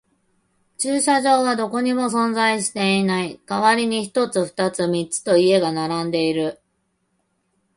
駐車場はどこにも存在していない。代わりに一つ、二つ、三つと家が並んでいる。